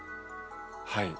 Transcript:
はい。